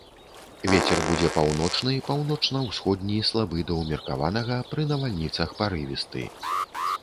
Вецер будзе паўночны, паўночна-ўсходні слабы да ўмеркаванага, пры навальніцах парывісты.